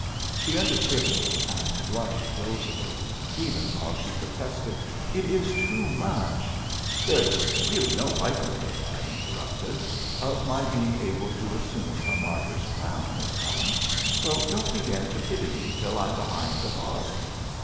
She understood me, and blushed rosily, even while she protested, "It is too much " "There's really no likelihood," I interrupted, "of my being able to assume a martyr's crown, Miss Cullen; so don't begin to pity me till I'm behind the bars."